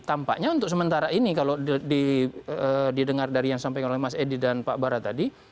tampaknya untuk sementara ini kalau didengar dari yang disampaikan oleh mas edi dan pak bara tadi